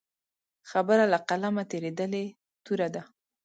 خبره له قلمه تېرېدلې توره ده.